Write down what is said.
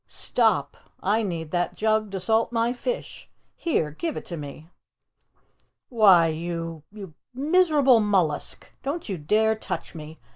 STOP! I need that jug to salt my fish. Here, give it to me." "Why, you you miserable mollusk don't you dare touch me!"